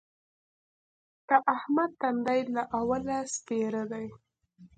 د احمد تندی له اوله سپېره دی.